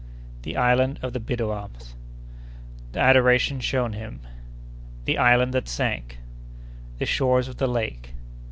—The Island of the Biddiomahs.—The Adoration shown him.—The Island that sank.—The Shores of the Lake.